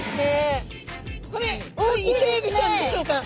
これイセエビちゃんでしょうか？